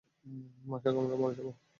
মশার কামড়ে মরে যাব?